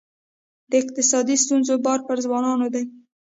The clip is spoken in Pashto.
د اقتصادي ستونزو بار پر ځوانانو دی.